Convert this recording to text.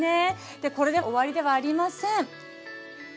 これで終わりではありません。